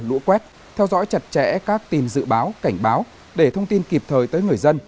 lũ quét theo dõi chặt chẽ các tin dự báo cảnh báo để thông tin kịp thời tới người dân